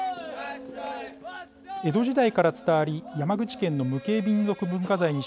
江戸時代から伝わり山口県の無形民俗